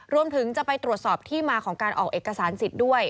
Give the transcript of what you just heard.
รวมถึงจะไปตรวจสอบที่มาของการออกเอกสารสิทธิ์ด้วย